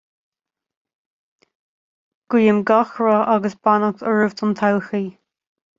Guím gach rath agus beannacht oraibh don todhchaí